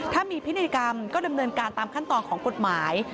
ถ้ามีพินัยกรรมก็ดำเนินการตามขั้นตอนของกฎหมาย